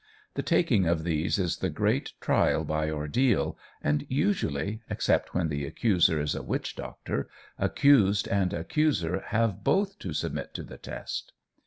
The taking of these is the great trial by ordeal, and, usually, except when the accuser is a witch doctor, accused and accuser have both to submit to the test.